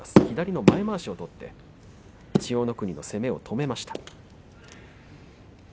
左の前まわしを取って千代の国の攻めを止めました。